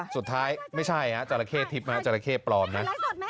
สุดท้ายไม่ใช่ฮะจราเข้ทิพย์นะจราเข้ปลอมนะ